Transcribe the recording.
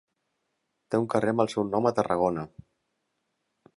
Té un carrer amb el seu nom a Tarragona.